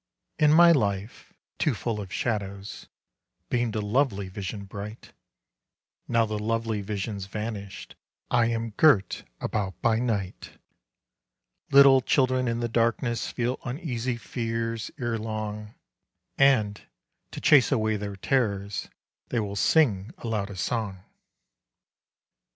In my life, too full of shadows, Beamed a lovely vision bright. Now the lovely vision's vanished, I am girt about by night. Little children in the darkness Feel uneasy fears erelong, And, to chase away their terrors, They will sing aloud a song.